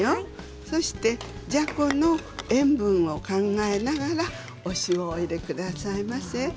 そしてじゃこの塩分を考えながらお塩を入れてくださいませ。